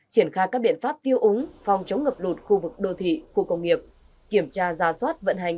triển khai các biện pháp tiêu úng phòng chống ngập lụt khu vực đô thị khu công nghiệp kiểm tra ra soát vận hành